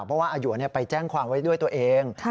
เพราะว่าอาหยวนไปแจ้งความไว้ด้วยตัวเอง